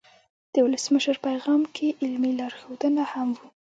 د ولسمشر پیغام کې علمي لارښودونه هم وو.